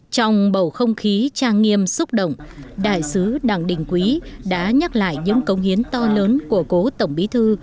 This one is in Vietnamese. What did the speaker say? trong bầu không khí trang nghiêm xúc động đại sứ đặng đình quý đã nhắc lại những công hiến to lớn của cố tổng bí thư